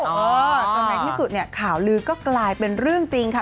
จนในที่สุดเนี่ยข่าวลือก็กลายเป็นเรื่องจริงค่ะ